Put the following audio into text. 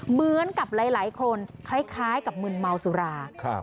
เหมือนกับหลายหลายคนคล้ายคล้ายกับมืนเมาสุราครับ